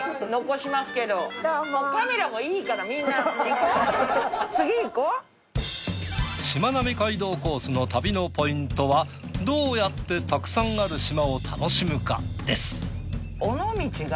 しまなみ海道コースの旅のポイントはどうやってたくさんある島を楽しむかです。